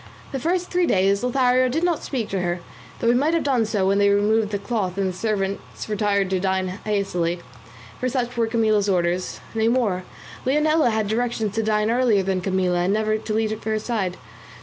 The first three days Lothario did not speak to her, though he might have done so when they removed the cloth and the servants retired to dine hastily; for such were Camilla's orders; nay more, Leonela had directions to dine earlier than Camilla and never to leave her side.